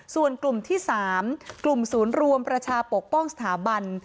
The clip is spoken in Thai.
ส่วนกลุ่มที่๓กลุ่มศูนย์รวมประชาปกป้องสถาบัน